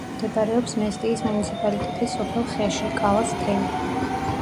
მდებარეობს მესტიის მუნიციპალიტეტის სოფელ ხეში, კალას თემი.